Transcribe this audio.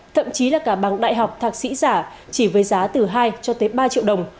thậm chí là cả bằng đại học thạc sĩ giả chỉ với giá từ hai cho tới ba triệu đồng